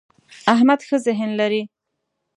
احمد ښه ذهن لري.